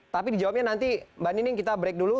tapi dijawabnya nanti mbak nining kita break dulu